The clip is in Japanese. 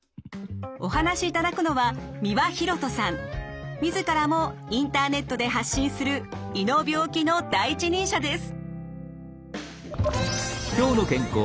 お話しいただくのは自らもインターネットで発信する胃の病気の第一人者です。